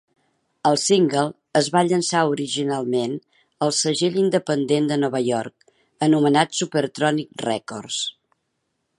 El single es va llançar originalment al segell independent de Nova York anomenat Supertronics Records.